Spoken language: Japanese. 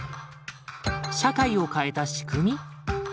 社会を変えた仕組み？